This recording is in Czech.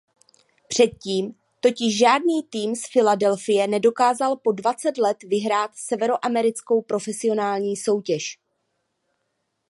Předtím totiž žádný tým z Filadelfie nedokázal po dvacet let vyhrát severoamerickou profesionální soutěž.